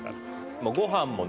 もうごはんもね